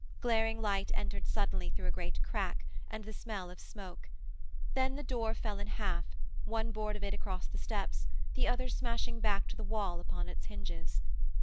Glaring light entered suddenly through a great crack, and the smell of smoke. Then the door fell in half, one board of it across the steps, the other smashing back to the wall upon its hinges.